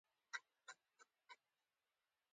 د شوتلې اوبه د وینې پاکولو لپاره وڅښئ